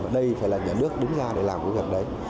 đây phải là nhà nước đứng ra để làm quyết định đấy